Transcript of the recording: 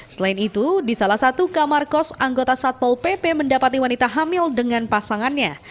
selain itu di salah satu kamar kos anggota satpol pp mendapati wanita hamil dengan pasangannya